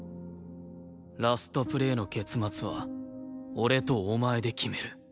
ラストプレーの結末は俺とお前で決める。